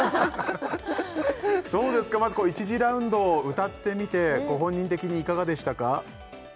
どうですかまず１次ラウンドを歌ってみてご本人的にいかがでしたか？